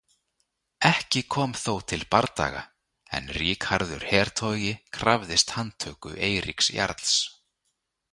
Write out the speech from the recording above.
Ekki kom þó til bardaga en Ríkharður hertogi krafðist handtöku Eiríks Jarls.